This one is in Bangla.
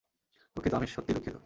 দুঃখিত, আমি সত্যিই দুঃখিত।